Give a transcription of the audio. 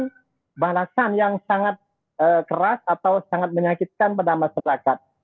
dan saya belum melakukan balasan yang sangat keras atau sangat menyakitkan pada masyarakat